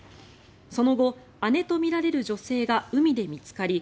その後、姉とみられる女性が海で見つかり